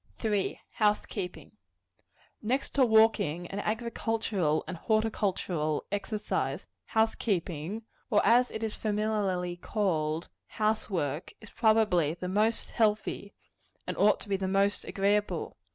3. House keeping. Next to walking, and agricultural and horticultural exercise, house keeping or, as it is familiarly called, house work is probably the most healthy, and ought to be the most agreeable.